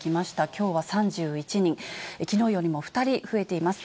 きょうは３１人、きのうよりも２人増えています。